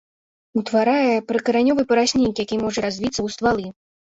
Утварае прыкаранёвы параснік, які можа развіцца ў ствалы.